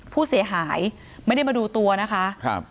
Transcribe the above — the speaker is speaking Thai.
ผู้เสียหายไม่ได้มาดูตัวนะคะ